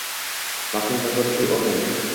Maxsus vakolatli organ